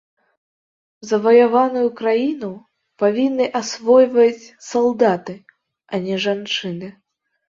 Заваяваную краіну павінны асвойваць салдаты, а не жанчыны.